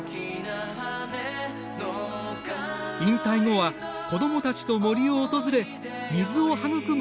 引退後は子どもたちと森を訪れ水を育む